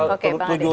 oke bang ade